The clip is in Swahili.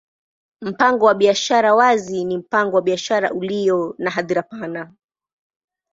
Mpango wa biashara wazi ni mpango wa biashara ulio na hadhira pana.